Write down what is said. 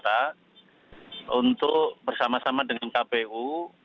kita berkantor sementara untuk bersama sama dengan kpu